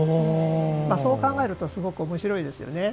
そう考えるとすごくおもしろいですよね。